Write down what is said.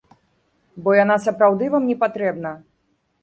Бо яна сапраўды вам непатрэбна.